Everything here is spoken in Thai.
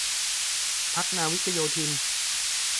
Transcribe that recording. พรรคนาวิกโยธิน